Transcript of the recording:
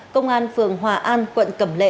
công an phường hòa an quận cẩm lệ